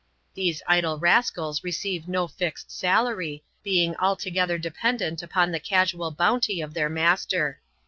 These icBe rascals receive no lized salarj, being altc^eiher dependent upon the casual bounty of their master.